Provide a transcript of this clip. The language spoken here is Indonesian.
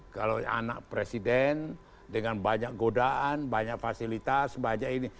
kalau anak presiden dengan banyak godaan banyak fasilitas banyak ini